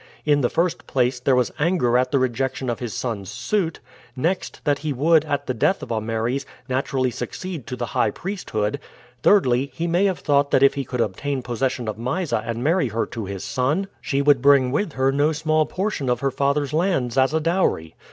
In the first place, there was anger at the rejection of his son's suit; next, that he would, at the death of Ameres, naturally succeed to the high priesthood; thirdly, he may have thought that if he could obtain possession of Mysa and marry her to his son, she would bring with her no small portion of her father's lands as a dowry.